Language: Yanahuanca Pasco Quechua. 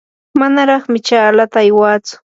manaraqmi chaalata aywatsu.